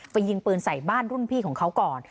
ยิงปืนใส่บ้านรุ่นพี่ของเขาก่อน